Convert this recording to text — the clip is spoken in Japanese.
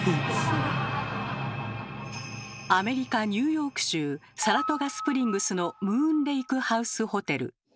アメリカ・ニューヨーク州サラトガスプリングスの「ムーン・レイク・ハウスホテル」。